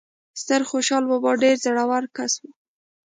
ستر خوشال بابا ډیر زړه ور کس وو